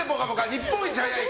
日本一早い！？